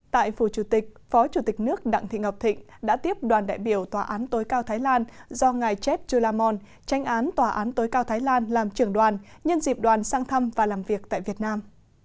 tại phủ chủ tịch phó chủ tịch nước đặng thị ngọc thịnh đã tiếp đoàn đại biểu tòa án tối cao thái lan do ngài jev chulamon tranh án tòa án tối cao thái lan làm trưởng đoàn nhân dịp đoàn sang thăm và làm việc tại việt nam